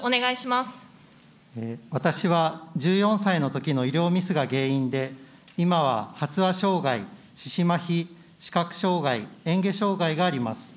私は１４歳のときの医療ミスが原因で、今は発話障害、四肢まひ、視覚障害、えん下障害があります。